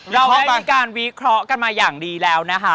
เราได้มีการวิเคราะห์กันมาอย่างดีแล้วนะคะ